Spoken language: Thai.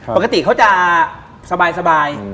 ปกติเขาจะสบาย